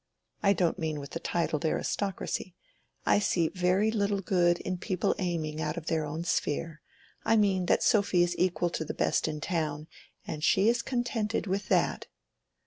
I don't mean with the titled aristocracy. I see very little good in people aiming out of their own sphere. I mean that Sophy is equal to the best in the town, and she is contented with that."